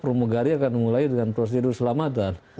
pramugari akan mulai dengan prosedur keselamatan